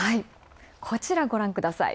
こちら、ご覧ください。